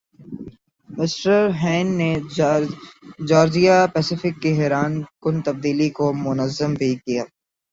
mister ہین نے Georgia Pacific کی حیرانکن تبدیلی کو منظم بھِی کِیا